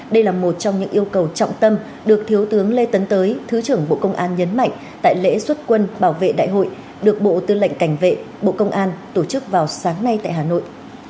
đây là một trong những yêu cầu trọng tâm được thiếu tướng lê tấn tới thứ trưởng bộ công an nhấn mạnh tại lễ xuất quân bảo vệ đại hội được bộ tư lệnh cảnh vệ bộ công an tổ chức vào sáng nay tại hà nội